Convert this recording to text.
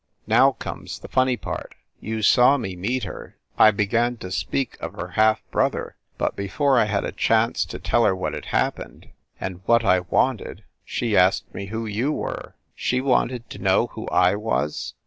Now comes the funny part. You saw me 302 FIND THE WOMAN meet her. I began to speak of her half brother, but before I had a chance to tell her what had happened, and what I wanted, she asked me who you were!" "She wanted to know who I was?"